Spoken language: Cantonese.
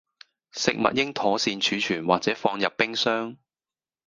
食物應妥善儲存或者放入冰箱